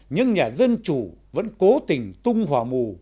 những nhà dân chủ vẫn cố tình tung hòa mù